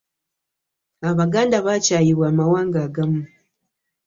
abaganda bakyaayibwa amawanga agamu.